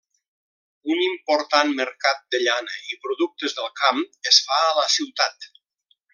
Un important mercat de llana i productes del camp es fa a la ciutat.